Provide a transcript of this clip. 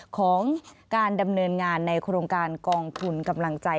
ของการดำเนินงานในโครงการกองทุนกำลังใจ